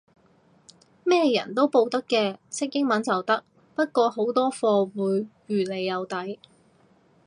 咩人都報得嘅，識英文就得，不過好多課會預你有底